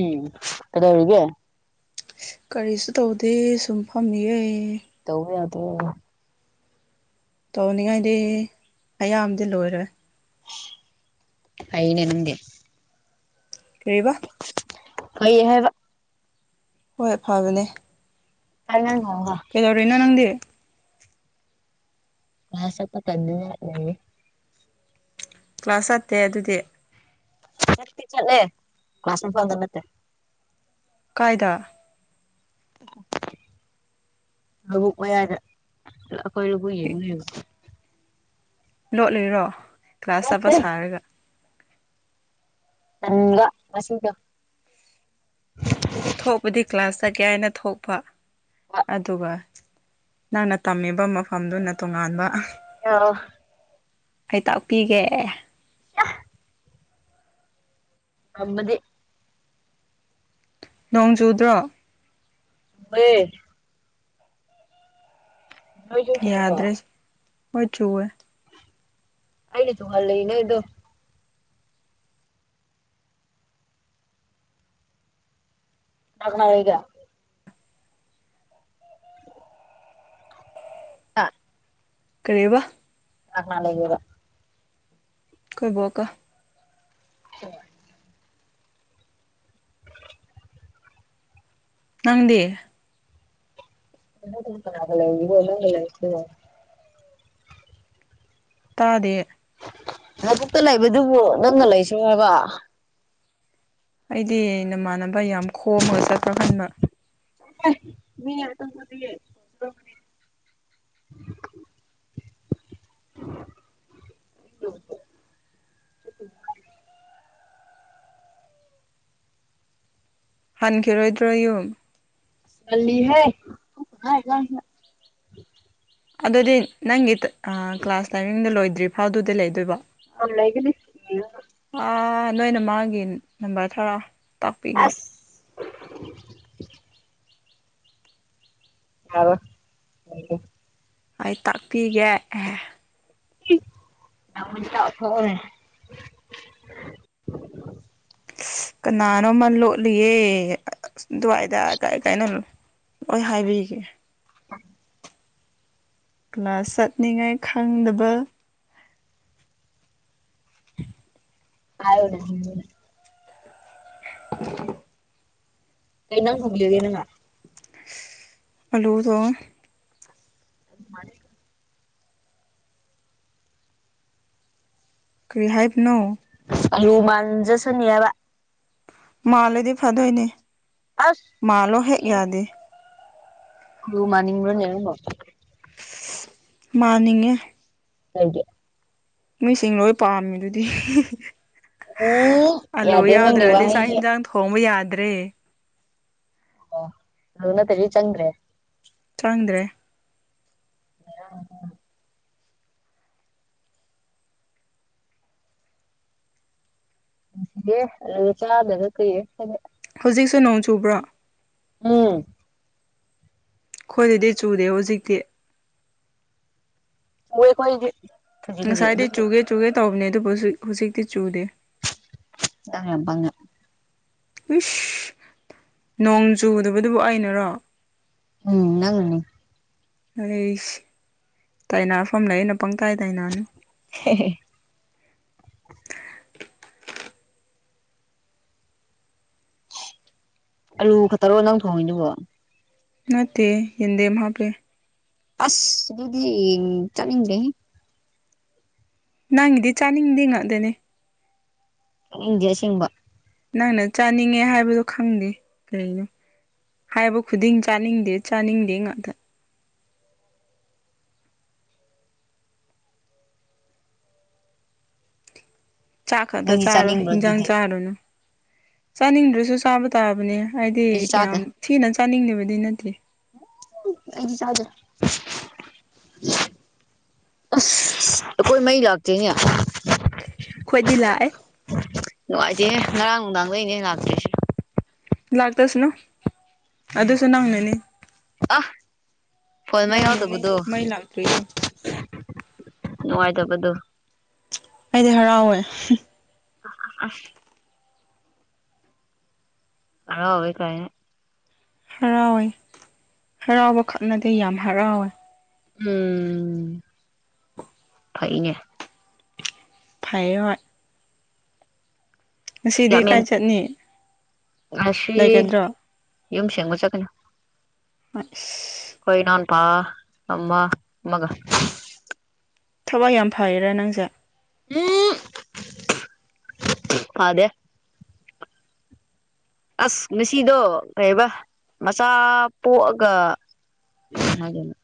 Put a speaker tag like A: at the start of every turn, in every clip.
A: ꯎꯝ ꯀꯗꯧꯔꯤꯒꯦ
B: ꯀꯔꯤꯁꯨ ꯇꯧꯗꯦ ꯁꯨꯝ ꯐꯝꯃꯤꯌꯦ
A: ꯇꯧ ꯌꯥꯗꯔꯣ
B: ꯇꯧꯅꯤꯡꯉꯥꯏꯗꯤ ꯑꯌꯥꯝꯕꯗꯤ ꯂꯣꯏꯔꯦ
A: ꯑꯩꯅꯦ ꯅꯪꯗꯤ
B: ꯀꯔꯤꯕ
A: ꯐꯩ ꯍꯥꯏꯕ
B: ꯍꯣꯏ ꯐꯕꯅꯦ
A: [unintelligible]
B: ꯀꯔꯤꯅꯣ ꯅꯪꯗꯤ
A: ꯀꯂꯥꯁ ꯆꯠꯄ ꯇꯟꯗꯅ ꯂꯩꯔꯤ
B: ꯀ꯭ꯂꯥꯁ ꯆꯠꯇꯦ ꯑꯗꯨꯗꯤ
A: ꯆꯠꯂꯦ ꯀ꯭ꯂꯁ ꯐꯥꯎꯗ [unintelligible]
B: ꯀꯥꯏꯗ
A: ꯂꯕꯨꯛ ꯃꯌꯥꯏꯗ ꯑꯩꯈꯣꯏ ꯂꯕꯨ ꯌꯦꯡꯉꯨꯏꯑꯦ
B: ꯂꯣꯠꯂꯤꯔꯣ ꯀ꯭ꯂꯥꯁ ꯆꯥꯠꯄ
A: ꯅꯠꯇꯦ
B: ꯁꯥꯔꯒ
A: ꯅꯪꯒ
B: ꯊꯣꯛꯄꯗꯤ ꯀ꯭ꯂꯥꯁ ꯆꯠꯀꯦ ꯍꯥꯏꯅ ꯊꯣꯛꯄ ꯑꯗꯨꯒ ꯅꯪꯅ ꯇꯝꯃꯤꯕ ꯃꯐꯝꯗꯨꯅ ꯇꯣꯉꯥꯟꯕ
A: ꯌꯥꯔꯣ
B: ꯑꯩꯩ ꯇꯥꯛꯄꯤꯒꯦ
A: [unintelligible] ꯉꯝꯃꯗꯤ
B: ꯅꯣꯡꯖꯨꯗ꯭ꯔꯣ
A: ꯋꯦ ꯅꯣꯏꯁꯨ ꯆꯨꯕ꯭ꯔꯣ
B: ꯌꯥꯗ꯭ꯔꯦ ꯍꯣꯏ ꯆꯨꯋꯦ
A: ꯑꯩꯗꯤ ꯇꯨꯍꯜ ꯂꯩꯅꯦ ꯗꯨ [unintelligible] ꯑ
B: ꯀꯔꯤꯕ
A: ꯀꯅꯥ ꯀꯅꯥ ꯂꯩꯒꯦꯕ
B: ꯈꯣꯏ ꯕꯣꯛꯀ
A: [inaudible]
B: ꯅꯪꯗꯤ
A: [unintelligible]
B: ꯇꯥꯗꯦ
A: ꯂꯕꯛꯇ ꯂꯩꯕꯗꯨꯕꯨ ꯅꯪꯅ ꯂꯩꯁꯨ ꯍꯥꯏꯕ
B: ꯑꯩꯗꯤ ꯅꯃꯥꯟꯅꯕ ꯌꯥꯝ ꯈꯣꯝꯃꯒ ꯆꯠꯄ꯭ꯔꯥ ꯈꯟꯕ
A: [unintelligible] ꯎ
B: ꯍꯟꯈꯤꯔꯣꯏꯗ꯭ꯔꯣ ꯌꯨꯝ
A: ꯍꯥꯏꯦ
B: ꯑꯗꯨꯗꯤ ꯅꯪꯒꯤ ꯀ꯭ꯂꯥꯁ ꯂꯥꯏꯚꯡꯗ ꯂꯣꯏꯗ꯭ꯔꯤꯐꯥꯎꯗꯨꯗꯤ ꯂꯩꯗꯣꯏꯕ
A: ꯑꯅꯒꯤꯗꯤ
B: ꯅꯣꯏꯅ ꯃꯥꯒꯤ ꯅꯝꯕꯔ ꯊꯔ ꯇꯥꯛꯄꯤꯒꯦ
A: ꯑꯁ ꯑ
B: ꯑꯩ ꯇꯥꯛꯄꯤꯒꯦ ꯑꯦꯍ
A: [unintelligible]
B: ꯀꯅꯥꯅꯣꯃ ꯂꯣꯠꯂꯤꯌꯦ ꯑꯗꯨꯋꯥꯏꯗ ꯀꯥꯏ ꯀꯥꯏꯅ ꯑꯣꯏꯣꯏ ꯍꯥꯏꯕꯤꯒꯦ
A: ꯎꯝ
B: ꯀ꯭ꯂꯥꯁ ꯆꯠꯅꯤꯡꯉꯥꯏ ꯈꯪꯗꯕ [unintelligible]
A: ꯍꯥꯏ ꯎ
B: [unintelligible]
A: ꯀꯩ ꯍꯤꯡꯖꯥꯡ ꯊꯣꯡꯕꯤꯔꯒꯦ ꯏꯅꯝꯃ
B: ꯑꯂꯨꯗꯣ
A: ꯃꯥꯅꯤ
B: ꯀꯔꯤ ꯍꯥꯏꯕꯅꯣ
A: ꯂꯨꯃꯥꯟꯖꯁꯨꯅꯤꯕ
B: ꯃꯥꯜꯂꯗꯤ ꯐꯗꯣꯏꯅꯦ
A: ꯑꯁ
B: ꯃꯥꯜꯂꯣ ꯍꯦꯛ ꯌꯥꯗꯦ
A: ꯑꯗꯨ ꯃꯥꯅꯤꯅꯤꯡꯣꯦ
B: ꯃꯥꯅꯤꯡꯉꯦ
A: [unintelligible]
B: ꯃꯤꯁꯤꯡ ꯂꯣꯏ ꯄꯥꯝꯃꯤꯗꯨꯗꯤ
A: ꯎꯝ
B: ꯑꯜꯂꯨ
A: ꯌꯥꯗꯦ ꯅꯪꯒꯤ
B: ꯌꯥꯎꯗ꯭ꯔꯦꯗꯤ ꯆꯥꯛ
A: ꯋꯥꯍꯩꯁꯦ
B: ꯌꯦꯟꯁꯥꯡ ꯊ ꯍꯣꯡꯕ ꯌꯥꯗ꯭ꯔꯦ
A: ꯑꯣ ꯑꯗꯨꯅꯠꯇ ꯆꯪꯗ꯭ꯔꯦ
B: ꯆꯪꯗ꯭ꯔꯦ
A: ꯑ ꯦ ꯑꯗꯨꯒ ꯆꯥꯗꯅ ꯀꯩꯌꯦꯦ
B: ꯍꯧꯖꯤꯛꯁꯨ ꯅꯣꯡ ꯆꯨꯕ꯭ꯔꯣ
A: ꯎꯝ
B: ꯑꯩꯣꯏꯗꯨꯗꯤ ꯆꯨꯗꯦ ꯍꯧꯖꯤꯛꯇꯤ
A: ꯑꯣꯏ ꯈꯣꯏꯗꯤ
B: ꯉꯁꯥꯏꯗꯤ ꯆꯨꯒꯦ ꯆꯨꯒꯦ ꯇꯧꯕꯅꯦ ꯑꯗꯨꯕꯨ ꯍꯧꯖꯤꯛ ꯍꯧꯖꯤꯛꯇꯤ ꯆꯨꯗꯦ
A: ꯑꯉꯄꯥꯉ
B: ꯏꯁ ꯅꯣꯡ ꯆꯨꯗꯕꯗꯨꯕꯨ ꯑꯩꯅꯔꯣ
A: ꯎꯝ ꯅꯪ
B: ꯑꯁ ꯇꯥꯏꯅꯐꯝ ꯂꯩ ꯑꯩꯅ ꯄꯪ ꯇꯥꯏ ꯇꯥꯏꯅꯅꯨ
A: ꯍ ꯍ ꯑꯂꯨ ꯈꯛꯇꯔꯣ ꯅꯪ ꯊꯣꯡꯉꯤꯗꯨꯕꯣ
B: ꯅꯠꯇꯦ ꯌꯦꯟꯗꯦꯦꯝ ꯃꯥ ꯄꯦ
A: ꯑꯁ ꯑꯗꯨꯗꯨꯗꯤ ꯆꯂꯤꯖꯦ
B: ꯅꯪꯒꯤꯗꯤ ꯆꯥꯅꯤꯡꯗꯦ ꯉꯥꯛꯗꯅꯦ
A: ꯈꯪꯗꯦ ꯑꯁꯦꯡꯕ
B: ꯅꯪꯅ ꯆꯥꯅꯤꯡꯉꯦ ꯍꯥꯏꯕꯗꯣ ꯈꯪꯗꯦ ꯀꯔꯤꯅꯣ ꯍꯥꯏꯕ ꯈꯨꯗꯤꯡ ꯆꯥꯅꯤꯡꯗꯦ ꯆꯥꯅꯤꯡꯗꯦ ꯉꯥꯛꯇ ꯆꯥꯛ ꯈꯛꯇ
A: ꯅꯪꯗꯤ
B: ꯆꯥꯔꯣ
A: ꯆꯥꯅꯤꯡꯕ꯭ꯔꯣ
B: ꯍꯟꯖꯥꯡ
A: ꯑꯗꯨꯗꯤ
B: ꯆꯥꯔꯅꯨ ꯆꯥꯅꯤꯡꯗ꯭ꯔꯁꯨ ꯆꯥꯕ ꯇꯥꯕꯅꯦ ꯍꯥꯏꯗꯤ
A: ꯑꯩꯗꯤ
B: ꯌꯥꯝ
A: ꯆꯥꯗꯦ
B: ꯊꯤꯅ ꯆꯥꯅꯤꯡꯗꯕꯗꯤ ꯅꯠꯇꯦ
A: ꯑꯩꯗꯤ ꯆꯥꯗꯦ ꯑꯩꯈꯣꯏ ꯃꯩ ꯂꯥꯛꯇꯦꯅꯦ
B: ꯈꯣꯏꯗꯤ ꯂꯥꯛꯑꯦ
A: ꯅꯨꯡꯉꯥꯏꯇꯦ ꯉꯔꯥꯡ ꯅꯨꯡꯗꯥꯡꯗꯩꯅꯦ ꯂꯥꯛꯇꯣꯏꯁꯦ
B: ꯂꯥꯛꯇꯁꯅꯨ ꯑꯗꯨꯁꯨ ꯅꯪꯅꯅꯤ
A: ꯑ ꯐꯣꯟ ꯃꯩ
B: ꯅꯪꯅꯅꯦ
A: ꯌꯥꯎꯗꯕꯗꯣ
B: ꯃꯩ ꯂꯥꯛꯇ꯭ꯔꯤꯗꯣ
A: ꯅꯨꯡꯉꯥꯏꯇꯕꯗꯣ
B: ꯑꯩꯗꯤ ꯍꯔꯥꯎꯋꯦ
A: ꯑ ꯑꯁ ꯍꯔꯥꯑꯣꯏ ꯀꯥꯏꯅꯥ
B: ꯍꯔꯥꯎꯋꯦ ꯍꯔꯥꯎꯕ ꯈꯛꯅꯠꯇꯦ ꯌꯥꯝ ꯍꯔꯥꯎꯋꯦ
A: ꯎꯝ ꯐꯩꯅꯦ
B: ꯐꯩ ꯍꯣꯏ ꯉꯁꯤꯗꯤ
A: ꯌꯥꯝꯃꯦꯟ
B: ꯀꯥꯏ ꯆꯠꯅꯤ
A: ꯉꯁꯤ
B: ꯂꯩꯒꯗ꯭ꯔꯣ
A: ꯌꯨꯝ ꯁꯦꯡꯕ ꯆꯠꯀꯅꯤ
B: ꯏꯁ
A: ꯈꯣꯏ ꯏꯅꯥꯑꯣꯄꯥ ꯑꯃꯥ ꯑꯃꯒ
B: ꯊꯋꯥꯏ ꯌꯥꯝ ꯐꯩꯔꯥ ꯅꯪꯁꯦ
A: ꯎꯝ ꯐꯥꯗꯦ ꯑꯁ ꯉꯁꯤꯗꯣ ꯀꯩꯕ ꯃꯆꯥ ꯄꯣꯛꯑꯒ [inaudible]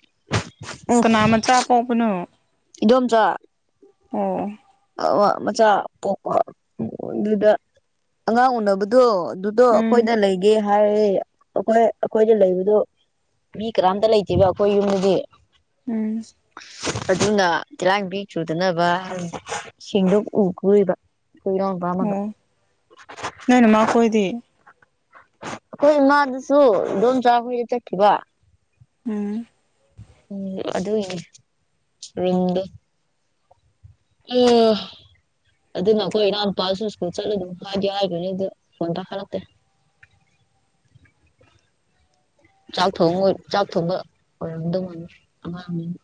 A: [inaudible]
B: ꯀꯅꯥ ꯃꯆꯥ ꯄꯣꯛꯄꯅꯣ
A: ꯏꯗꯣꯝꯆꯥ
B: ꯎꯝ
A: ꯃꯆꯥ ꯄꯣꯛꯄ ꯑꯗꯨꯗ ꯑꯉꯥꯡ ꯎꯅꯕꯗꯣ ꯑꯗꯨ ꯑꯗꯣ ꯑꯩꯈꯣꯏꯗ
B: ꯎꯝ
A: ꯂꯩꯒꯦ ꯍꯥꯏꯔꯗꯤ ꯑꯩꯈꯣꯏ ꯑꯩꯈꯣꯏꯗ ꯂꯩꯕꯗꯣ ꯃꯤ ꯀꯅꯥꯝꯇ ꯂꯩꯇꯦꯕ ꯑꯩꯈꯣꯏ ꯌꯨꯝꯗꯗꯤ
B: ꯎꯝ
A: ꯑꯗꯨꯅ ꯇꯤꯂꯥꯡꯕꯤ ꯆꯨꯗꯅꯕ ꯁꯤꯡꯗꯣꯛ ꯎꯒꯣꯏꯕ ꯀꯣꯏꯔꯣ
B: ꯑꯣ ꯅꯣꯏꯅꯃꯥ ꯀꯣꯏꯗꯤ
A: ꯑꯩꯈꯣꯏ ꯏꯃꯥꯗꯨꯁꯨ ꯏꯗꯣꯝꯆꯥ ꯍꯣꯏꯗ ꯆꯠꯈꯤꯕ
B: ꯎꯝ
A: ꯎꯝ ꯑꯗꯨꯅꯦ ꯔꯤꯝꯗ [unintelligible] ꯑꯗꯨꯅ ꯑꯩꯈꯣꯏ ꯏꯅꯥꯎ ꯅꯨꯄꯥꯁꯨ ꯁ꯭ꯀꯨꯜ ꯆꯠꯂꯨꯗ ꯍꯥꯏꯗꯤ ꯍꯥꯏꯕꯅꯤ ꯑꯗꯨ ꯐꯣꯟ ꯇꯥꯈꯠꯂꯛꯇꯦ ꯆꯥꯛ ꯊꯣꯡ ꯆꯥꯛ ꯊꯣꯡꯕ ꯑꯣꯏꯔꯝꯗ ꯑꯉꯥꯡ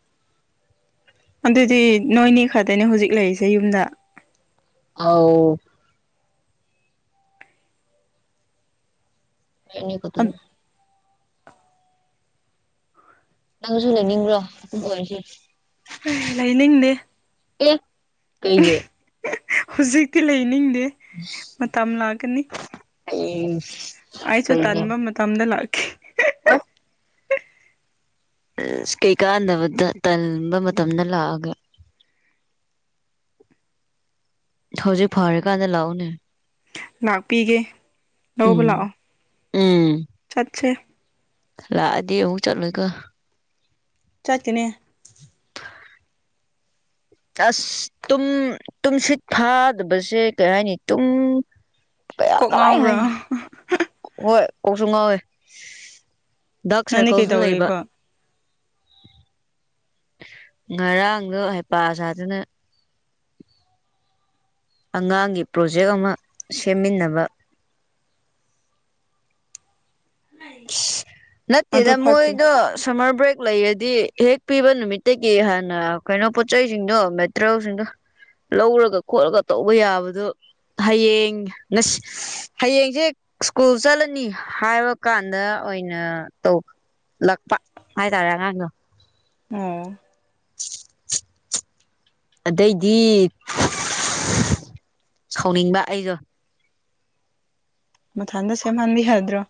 B: ꯑꯗꯨꯗꯤ ꯅꯣꯏꯅꯤ ꯈꯛꯇꯅꯦ ꯍꯧꯖꯤꯛ ꯂꯩꯔꯤꯁꯦ ꯌꯨꯝꯗ
A: ꯑꯥꯎ ꯑꯅꯤ ꯀ ꯑꯗꯨꯅ ꯅꯪꯁꯨ ꯂꯩꯅꯤꯡꯕ꯭ꯔꯣ ꯑꯗꯨ ꯑꯣꯏꯁꯤ
B: ꯂꯩꯅꯤꯡꯗꯦ
A: ꯑꯦ ꯀꯩꯒꯤ
B: ꯍꯍ ꯍꯨꯖꯤꯛꯇꯤ ꯂꯩꯅꯤꯡꯗꯦ ꯃꯇꯝ ꯂꯥꯛꯀꯅꯤ
A: ꯍꯌꯦꯡ
B: ꯑꯩꯁꯨ ꯇꯟꯕ ꯃꯇꯝꯗ ꯂꯥꯛꯈꯦ
A: ꯑꯥꯏ ꯑꯁ ꯀꯩꯀꯥꯟꯗꯕꯗ ꯇꯟꯕ ꯃꯇꯝꯗ ꯂꯥꯛꯑꯒ ꯍꯧꯖꯤꯛ ꯐꯔꯀꯥꯟꯗ ꯂꯥꯛꯎꯅꯦ
B: ꯂꯥꯛꯄꯤꯒꯦ ꯂꯧꯕ
A: ꯎꯝ
B: ꯂꯥꯛꯑꯣ
A: ꯎꯝ
B: ꯆꯠꯁꯦ
A: ꯂꯥꯛꯑꯗꯤ ꯑꯃꯨꯛ ꯆꯠꯂꯣꯏꯀꯣ
B: ꯆꯠꯀꯅꯤ
A: ꯑꯁ ꯇꯨꯝ ꯇꯨꯝꯁꯤꯠ ꯐꯥꯗꯕꯁꯦ ꯀꯩ ꯍꯥꯏꯅꯤ ꯇꯨꯡ
B: ꯀꯣꯛ ꯉꯥꯎꯕ꯭ꯔꯣ ꯍ ꯍ
A: ꯍꯣꯏ ꯀꯣꯛꯁꯨ ꯉꯥꯎꯋꯦ ꯗꯥꯛ
B: ꯅꯪꯗꯤ
A: ꯁꯥꯔꯀꯜꯁꯨ ꯂꯩꯕ
B: ꯀꯩꯗꯧꯔꯤꯕ
A: ꯉꯔꯥꯡꯗꯨ ꯍꯩꯄꯥ ꯁꯥꯗꯅ ꯑꯉꯥꯡꯒꯤ ꯄ꯭ꯔꯣꯖꯦꯛ ꯑꯃ ꯁꯦꯝꯃꯤꯟꯅꯕ
B: ꯑꯗꯨ
A: ꯅꯠꯇꯦꯗ
B: ꯐꯠꯇ꯭ꯔꯦ
A: ꯃꯣꯏꯗꯣ ꯁꯝꯃꯔ ꯕ꯭ꯔꯦꯛ ꯂꯩꯔꯗꯤ ꯍꯦꯛ ꯄꯤꯕ ꯅꯨꯃꯤꯠꯇꯒꯤ ꯍꯥꯟꯅ ꯀꯩꯅꯣ ꯄꯣꯠꯆꯩꯁꯤꯡꯗꯣ ꯃꯦꯇꯔꯦꯜꯁꯤꯡꯗꯣ ꯂꯧꯔꯒ ꯈꯣꯠꯂꯒ ꯇꯧꯕ ꯌꯥꯕꯗꯣ ꯍꯌꯦꯡ ꯉꯁꯤ ꯍꯌꯦꯡꯖꯦ ꯁ꯭ꯀꯨꯜ ꯆꯠꯂꯅꯤ ꯍꯥꯏꯕꯀꯥꯟꯗ ꯑꯣꯏꯅ ꯅ ꯇꯧ ꯂꯛꯄ ꯍꯥꯏꯇꯥꯔꯦ ꯑꯉꯥꯡꯗꯣ
B: ꯑꯣ
A: ꯑꯗꯩꯗꯤ ꯁꯥꯎꯅꯤꯡꯕ ꯑꯩꯗꯣ
B: ꯃꯊꯟꯗ ꯁꯦꯝꯍꯟꯕꯤ ꯌꯥꯗ꯭ꯔꯣ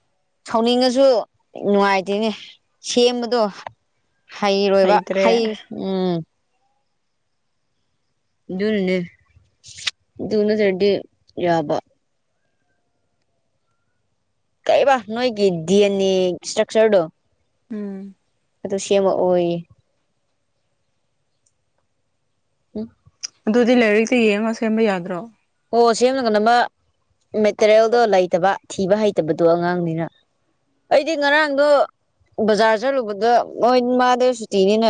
A: ꯁꯥꯎꯅꯤꯡꯉꯁꯨ ꯅꯨꯡꯉꯥꯏꯇꯦꯅꯦ ꯁꯦꯝꯕꯗꯣ ꯍꯩꯔꯣꯏꯕ
B: ꯍꯩꯇ꯭ꯔꯦ
A: ꯍꯩ ꯎꯝ ꯑꯗꯨꯅꯅꯦ ꯑꯗꯨ ꯅꯠꯇ꯭ꯔꯗꯤ ꯌꯥꯕ ꯀꯩꯕ ꯅꯣꯏꯒꯤ ꯗꯤ ꯑꯦꯟ ꯑꯦ ꯁꯇ꯭ꯔꯛꯆꯔꯗꯣ
B: ꯎꯝ
A: ꯑꯗꯨ ꯁꯦꯝꯃꯛꯑꯣꯌꯦ ꯎꯝ
B: ꯑꯗꯨꯗꯤ ꯂꯥꯏꯔꯤꯛꯇ ꯌꯦꯡꯉ ꯁꯦꯝꯕ ꯌꯥꯗ꯭ꯔꯣ
A: ꯑꯣ ꯁꯦꯝꯅꯒ ꯅꯕ ꯃꯦꯇꯔꯤꯌꯦꯜꯗꯣ ꯂꯩꯇꯕ ꯊꯤꯕ ꯍꯩꯇꯕꯗꯣ ꯑꯉꯥꯡꯅꯤꯅ ꯑꯩꯗꯤ ꯉꯔꯥꯡꯗꯣ ꯕꯖꯥꯔ ꯆꯠꯂꯨꯕꯗ ꯃꯣꯏ ꯃꯥꯗꯦ ꯁꯨꯇꯤꯅꯤꯅ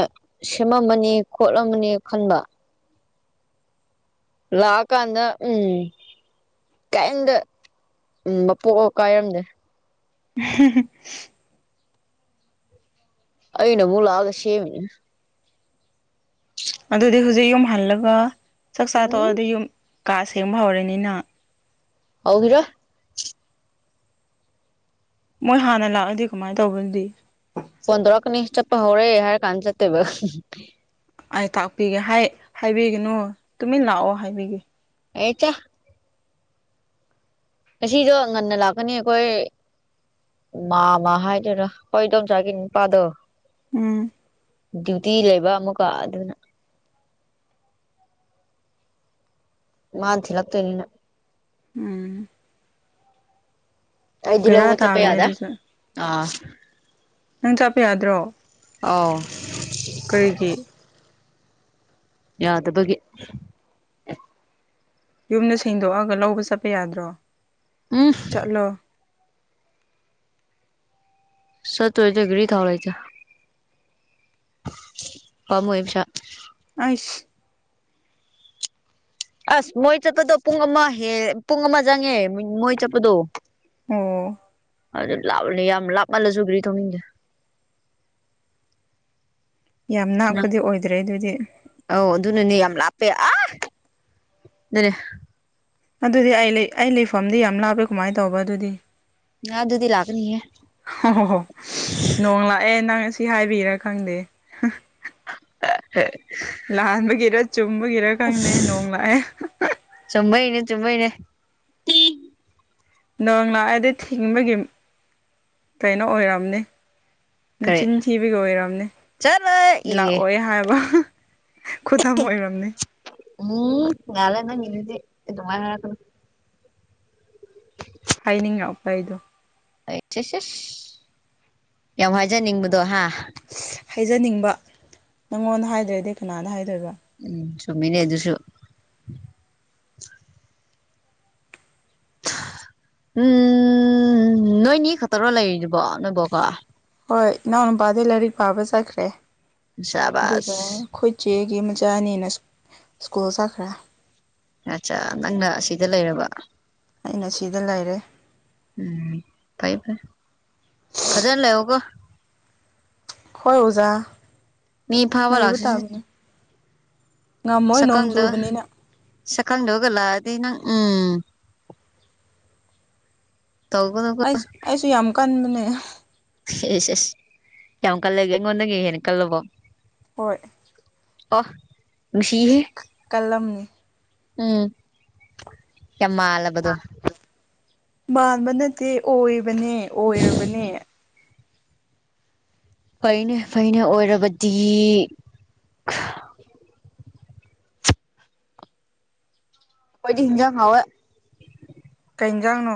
A: ꯁꯦꯝꯃꯝꯃꯅꯤ ꯈꯣꯠꯂꯝꯃꯅꯤ ꯈꯟꯕ ꯂꯥꯛꯑꯀꯥꯟꯗ ꯎꯝ ꯀꯩꯏꯝꯇ ꯎꯝ ꯃꯄꯣꯛꯑ ꯀꯥꯏꯔꯝꯗꯦ
B: ꯍꯨꯝ ꯍꯨꯝ ꯍꯍ
A: ꯑꯩꯅ ꯑꯃꯨꯛ ꯂꯥꯛꯑꯒ ꯁꯦꯝꯃꯤꯅꯤ
B: ꯑꯗꯨꯗꯤ ꯍꯨꯖꯤꯛ ꯌꯨꯝ ꯍꯜꯂꯒ ꯆꯥꯛ ꯆꯥ
A: ꯎꯝ
B: ꯇꯣꯛꯑꯗꯤ ꯌꯨꯝ ꯀꯥ ꯁꯦꯡꯕ ꯍꯧꯔꯅꯤ ꯅꯪ
A: ꯍꯧꯒꯤꯔꯣꯏ
B: ꯃꯣꯏ ꯍꯥꯟꯅ ꯂꯥꯛꯑꯗꯤ ꯀꯃꯥꯏ ꯇꯧꯕ ꯑꯗꯨꯗꯤ
A: ꯐꯣꯟ ꯇꯧꯔꯛꯀꯅꯤ ꯆꯠꯄ ꯍꯧꯔꯦ ꯍꯥꯏꯔ ꯀꯥꯟ ꯆꯠꯇꯦꯕ ꯍꯨꯡ ꯍꯨꯡ
B: ꯑꯩ ꯇꯥꯛꯄꯤꯒꯦ ꯍꯥꯏ ꯍꯥꯏꯕꯤꯒꯅꯨ ꯇꯨꯃꯤꯟ ꯂꯥꯛꯑꯣ ꯍꯥꯏꯕꯤꯒꯦ
A: ꯑꯩ ꯆꯥ ꯉꯁꯤꯗꯣ ꯉꯟꯅ ꯂꯥꯛꯀꯅꯤ ꯑꯩꯈꯣꯏ ꯃꯥꯝꯃ ꯍꯥꯏꯗꯣꯏꯔ ꯑꯩꯈꯣꯏ ꯏꯗꯣꯝꯆꯥꯒꯤ ꯅꯨꯄꯥꯗꯣ
B: ꯎꯝ
A: ꯗ꯭ꯌꯨꯇꯤ ꯂꯩꯕ ꯑꯃꯨꯛꯀ ꯑꯗꯨꯅ ꯃꯥꯥꯟ ꯊꯤꯜꯂꯛꯇꯣꯏꯅꯤꯅ
B: ꯎꯝ
A: ꯑꯩꯗꯤ
B: ꯕꯦꯔꯥ
A: ꯂꯧꯕ ꯆꯠꯄ
B: ꯇꯥꯕꯅꯦ
A: ꯌꯥꯗꯦ
B: ꯑꯗꯨꯁꯨ
A: ꯑꯥ
B: ꯅꯪ ꯆꯠꯄ ꯌꯥꯗ꯭ꯔꯣ
A: ꯑꯣ
B: ꯀꯔꯤꯒꯤ
A: ꯌꯥꯗꯕꯒꯤ
B: ꯌꯨꯝꯗ ꯁꯦꯡꯗꯣꯛꯑꯒ ꯂꯧꯕ ꯆꯠꯄ ꯌꯥꯗ꯭ꯔꯣ
A: [unintelligible]
B: ꯆꯠꯂꯣ
A: ꯁꯇ ꯑꯣꯏꯗ ꯒꯤꯔꯤ ꯊꯥꯎꯂ ꯆ ꯄꯃꯍꯤꯁ
B: ꯑꯩꯁ
A: ꯑꯁ ꯃꯣꯏ ꯆꯠꯄꯗꯣ ꯄꯨꯡ ꯑꯃ ꯍꯦ ꯄꯨꯡ ꯑꯃ ꯆꯪꯉꯦ ꯃꯣꯏ ꯆꯠꯄꯗꯣ
B: ꯑꯣ
A: ꯑꯗꯨ ꯂꯥꯞꯂꯅꯤ ꯌꯥꯝ ꯂꯥꯞꯃꯜꯂꯁꯨ ꯒ꯭ꯔꯤ ꯊꯧꯅꯤꯡꯟꯗꯦ
B: ꯌꯥꯝ
A: ꯅꯪ
B: ꯉꯥꯛꯄꯗꯤ ꯑꯣꯏꯗ꯭ꯔꯦ ꯑꯗꯨꯏꯗꯤ
A: ꯑꯧ ꯑꯗꯨꯅꯅꯦ ꯌꯥꯝ ꯂꯥꯞꯄꯦ ꯑ ꯑꯗꯨꯅꯦ
B: ꯑꯗꯨꯗꯤ ꯑꯩ ꯂꯩ ꯑꯩ ꯂꯩꯐꯝꯗꯤ ꯌꯥꯝ ꯂꯥꯞꯄꯦ ꯀꯃꯥꯏꯅ ꯇꯧꯕ ꯑꯗꯨꯗꯤ
A: ꯉ ꯑꯗꯨꯗꯤ ꯂꯥꯛꯅꯤꯌꯦ
B: ꯑꯣ ꯍꯣ ꯍꯣ ꯅꯣꯡ ꯂꯥꯛꯑꯦ ꯅꯪ ꯑꯁꯤ ꯍꯥꯏꯕꯤꯔꯥ ꯈꯪꯗꯦ
A: [unintelligible]
B: ꯂꯥꯟꯕꯒꯤꯔ ꯆꯨꯝꯕꯒꯤꯔ ꯈꯪꯗꯦ ꯅꯣꯡ ꯂꯥꯛꯑꯦ
A: ꯆꯨꯃꯩꯃꯅꯦ ꯆꯨꯝꯃꯩꯅꯦ
B: ꯅꯣꯡ ꯂꯥꯛꯑꯗꯤ ꯊꯤꯡꯕꯒꯤ ꯀꯩꯅꯣ ꯑꯣꯏꯔꯝꯅꯤ
A: ꯀꯔꯤ
B: ꯅꯆꯤꯟ ꯊꯤꯕꯒꯤ ꯑꯣꯏꯔꯝꯅꯤ
A: ꯆꯠꯂꯣꯏ ꯑꯦ
B: ꯂꯥꯛꯑꯣꯏ ꯍꯥꯏꯕ ꯈꯨꯊꯝ ꯑꯣꯏꯔꯝꯅꯤ
A: ꯎꯝ ꯉꯥꯛꯜꯂꯦ ꯅꯡꯒꯤꯗꯨꯗꯤ ꯏꯅꯤꯗꯤ ꯇꯃꯥꯏ ꯍ ꯀꯅꯣ
B: ꯍꯥꯏꯅꯤꯡꯉ ꯎꯄꯥꯏꯗꯣ
A: ꯁꯦ ꯁꯦ ꯌꯥꯝ ꯍꯥꯏꯖꯅꯤꯡꯕꯗꯣ ꯍꯥ
B: ꯍꯥꯏꯖꯅꯤꯡꯕ ꯅꯪꯉꯣꯟꯗ ꯍꯥꯏꯗ꯭ꯔꯗꯤ ꯀꯅꯥꯗ ꯍꯥꯏꯗꯣꯏꯕ
A: ꯎꯝ ꯆꯨꯝꯃꯤꯅꯦ ꯑꯗꯨꯁꯨ ꯎꯝ ꯅꯣꯏꯅꯤ ꯈꯛꯇꯔ ꯂꯩꯔꯤꯕꯣ ꯅꯣꯏꯕꯥꯎꯀꯣ
B: ꯍꯣꯏ ꯏꯅꯥꯎꯅꯨꯄꯥꯗꯤ ꯂꯥꯏꯔꯤꯛ ꯄꯥꯕ ꯆꯠꯈ꯭ꯔꯦ ꯑꯗꯨꯒ
A: ꯁꯕꯥꯁ
B: ꯑꯩꯈꯣꯏꯆꯦꯒꯤ ꯃꯆꯥꯅꯦꯅ ꯁ꯭ꯀꯨꯜ ꯁꯥꯈ꯭ꯔ
A: ꯑꯆꯥ ꯅꯪꯅ ꯁꯤꯗ ꯂꯩꯔꯕ
B: ꯑꯩꯅ ꯁꯤꯗ ꯂꯩꯔꯦ
A: ꯎꯝ ꯐꯩ ꯐꯩ ꯐꯖꯅ ꯂꯩꯑꯣꯒꯣ
B: ꯍꯣꯏ ꯑꯣꯖꯥ
A: ꯃꯤ ꯐꯥꯕ
B: ꯂꯩꯕ
A: ꯂꯁꯤ
B: ꯇꯥꯕꯅꯤ ꯉꯝꯃꯣꯏ ꯅꯣꯡ
A: ꯁꯀꯪꯗ
B: ꯆꯨꯕꯅꯤꯅ
A: ꯁꯀꯪꯗꯕꯒ ꯂꯥꯛꯑꯗꯤ ꯅꯪ ꯎꯝ ꯇꯧꯒꯅꯨꯀꯦ
B: ꯑꯩꯁ ꯑꯩꯁꯨ ꯌꯥꯝ ꯀꯟꯕꯅꯦ
A: ꯑꯦꯁ ꯑꯦꯁ ꯌꯥꯝ ꯀꯜꯂꯒꯦ ꯑꯩꯉꯣꯟꯗꯒꯤ ꯍꯦꯟꯅ ꯀꯜꯂꯕꯣ
B: ꯍꯣꯏ
A: ꯑ ꯅꯨꯡꯁꯤꯍꯦ
B: ꯀꯂꯝꯅꯤ
A: ꯎꯝ ꯌꯥꯃ ꯑꯂꯕꯗꯨ
B: ꯃꯥꯟꯕ ꯅꯠꯇꯦ ꯑꯣꯏꯕꯅꯦ ꯑꯣꯏꯔꯕꯅꯦ
A: ꯐꯩꯅ ꯐꯩꯅ ꯑꯣꯏꯔꯕꯗꯤ ꯑꯩꯣꯏꯗꯤ ꯍꯤꯡꯖ ꯍꯥꯎꯋ
B: ꯀꯩ ꯏꯟꯖꯥꯡꯅꯣ